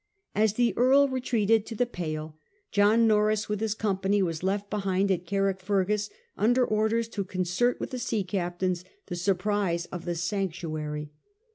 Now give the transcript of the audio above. As the Earl retreated to the Pale, John Norreys with his company was left behind at Carrickfergus under orders to concert with the sea captains the surprise of the sanctuary.